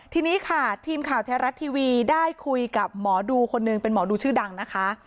ทีนี้ค่ะทีมข่าวแท้รัฐทีวีได้คุยกับหมอดูคนหนึ่งเป็นหมอดูชื่อดังนะคะ